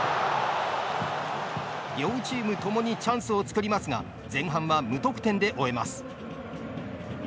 両チームともにチャンスを作りますが前半は無得点で終えます。